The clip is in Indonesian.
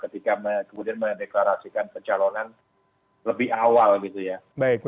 ketika kemudian mendeklarasikan pencalonan lebih awal gitu ya